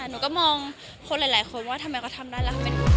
หนูก็มองคนหลายคนว่าทำไมเขาทำได้แล้ว